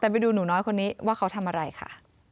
แต่ไปดูหนูน้อยคนนี้ว่าเขาทำอะไรค่ะ